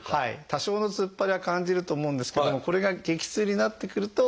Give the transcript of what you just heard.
多少の突っ張りは感じると思うんですけどもこれが激痛になってくると要注意と。